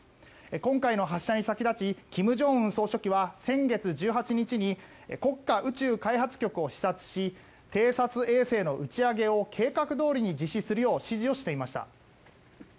今回の発射に先立ち金正恩総書記は先月１８日に国家宇宙開発局を視察し偵察衛星の打ち上げを計画どおり実施するよう指示をしていました。